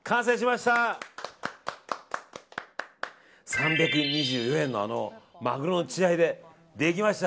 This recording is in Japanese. ３２４円のあのマグロの血合いでできました。